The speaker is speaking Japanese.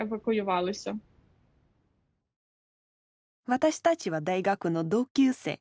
私たちは大学の同級生。